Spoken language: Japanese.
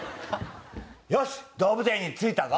よし動物園に着いたぞ。